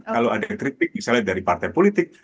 kalau ada kritik misalnya dari partai politik